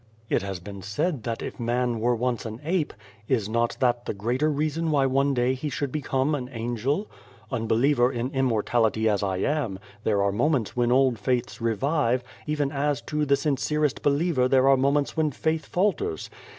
" It has been said that if man were once an ape, is not that the greater reason why one day he should become an angel ? Unbeliever in Immortality as I am, there are moments when old faiths revive, even as to the sincerest believer there are moments when faith falters.